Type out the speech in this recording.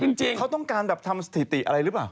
จริงเขาต้องการแบบทำสถิติอะไรหรือเปล่า